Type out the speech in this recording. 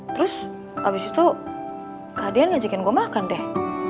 terus abis itu kak dian ngajakin gue makan deh